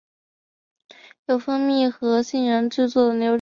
由蜂蜜和杏仁制作的牛轧糖是当地的特产。